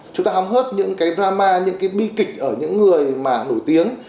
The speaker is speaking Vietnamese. chúng ta hóng hớt những cái drama những cái bi kịch ở những người mà nổi tiếng